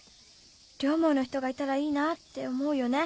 両思いの人がいたらいいなって思うよね。